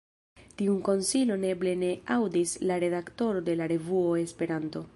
Tiun konsilon eble ne aŭdis la redaktoro de la revuo Esperanto.